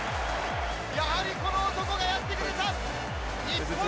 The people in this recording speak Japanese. やはりこの男がやってくれた。